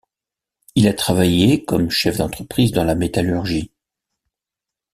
Il a travaillé comme chef d'entreprise dans la métallurgie.